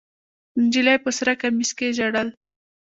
نجلۍ په سره کمیس کې ژړل.